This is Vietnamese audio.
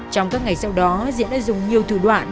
trong các ngày sau đó diễn đã dùng nhiều thủ đoạn